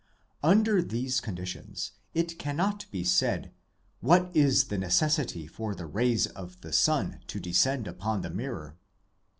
Under these conditions it cannot be said ' what is the necessity for the rays of the sun to descend upon the mirror